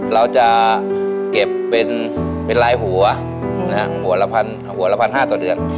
เราจะเก็บเป็นลายหัวหัวละ๑๕๐๐ต่อเดือน